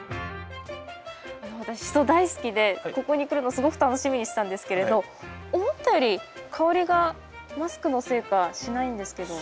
あの私シソ大好きでここに来るのすごく楽しみにしてたんですけれど思ったより香りがマスクのせいかしないんですけど。